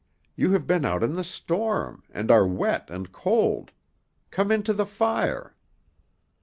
You have been out in the storm, and are wet and cold. Come in to the fire."